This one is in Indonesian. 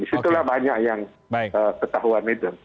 disitulah banyak yang ketahuan itu